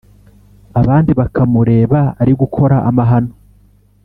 Abandi bakamureba ari gukora amahano